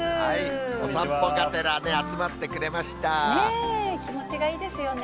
お散歩がてらね、集まってく気持ちがいいですよね。